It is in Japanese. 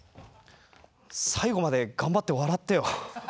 最後まで頑張って笑ってよ。